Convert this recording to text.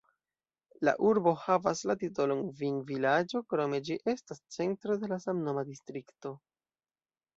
La urbo havas la titolon vinvilaĝo, krome ĝi estas centro de la samnoma distrikto.